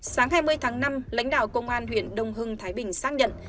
sáng hai mươi tháng năm lãnh đạo công an huyện đông hưng thái bình xác nhận